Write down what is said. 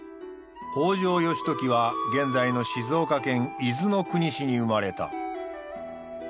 北条義時は現在の静岡県伊豆の国市に生まれた。